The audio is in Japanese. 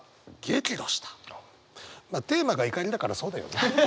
まあテーマが「怒り」だからそうだよね。